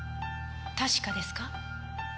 確かですか？